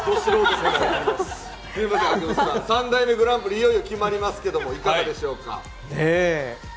３代目グランプリ、いよいよ決まりますけど、いかがでしょうか？